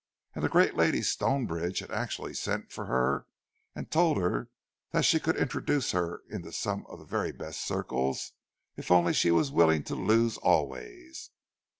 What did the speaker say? And the great Lady Stonebridge had actually sent for her and told her that she could introduce her in some of the very best circles, if only she was willing to lose always!